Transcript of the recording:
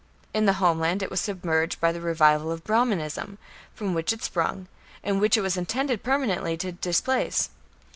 In the homeland it was submerged by the revival of Brahmanism, from which it sprung, and which it was intended permanently to displace.